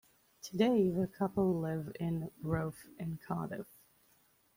Today, the couple live in Roath in Cardiff.